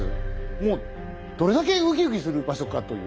もうどれだけウキウキする場所かという。